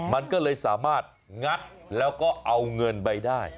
มันก็เลยสามารถงัดแล้วก็เอาเงินไปได้